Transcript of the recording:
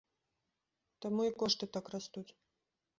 Таму і кошты так растуць.